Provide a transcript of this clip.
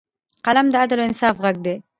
قلم د عدل او انصاف غږ دی